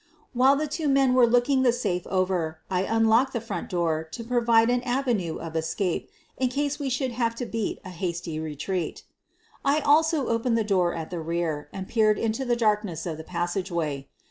While the two men were looking the safe over I unlocked the front door to provide an avenue of es cape in case we should have to beat a hasty retreat I also opened the door at the rear and peered into the darkness of the passageway.